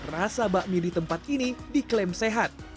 rasa bakmi di tempat ini diklaim sehat